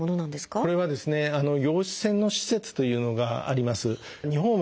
これはですね陽子線の施設というのがあります。